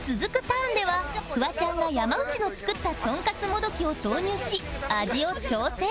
ターンではフワちゃんが山内の作ったトンカツもどきを投入し味を調整